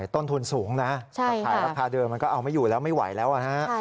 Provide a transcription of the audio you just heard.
ต้นทุนสูงนะแต่ขายราคาเดิมมันก็เอาไม่อยู่แล้วไม่ไหวแล้วนะฮะ